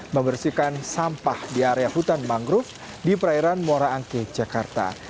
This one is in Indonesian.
membersihkan sampah di area hutan mangrove di perairan moraangke jakarta